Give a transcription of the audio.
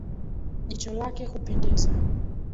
Jicho lake hupendeza